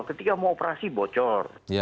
ketika mau operasi bocor